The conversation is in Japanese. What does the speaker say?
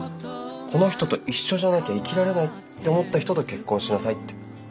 この人と一緒じゃなきゃ生きられないって思った人と結婚しなさい」って。